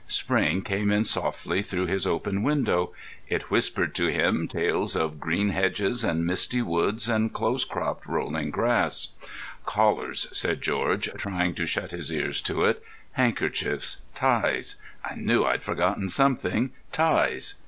Spring came in softly through his open window; it whispered to him tales of green hedges and misty woods and close cropped rolling grass. "Collars," said George, trying to shut his ears to it, "handkerchiefs, ties—I knew I'd forgotten something: ties."